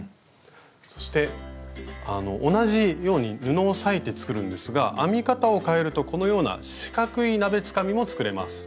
そして同じように布を裂いて作るんですが編み方をかえるとこのような四角い鍋つかみも作れます。